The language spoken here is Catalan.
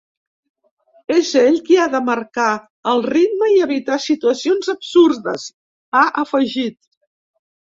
És ell qui ha de marcar el ritme i evitar situacions absurdes, ha afegit.